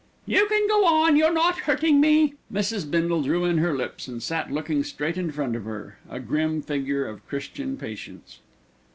"You can go on, you're not hurting me." Mrs. Bindle drew in her lips and sat looking straight in front of her, a grim figure of Christian patience.